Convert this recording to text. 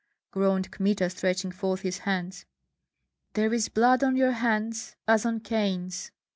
groaned Kmita, stretching forth his hands. "There is blood on your hands, as on Cain's!"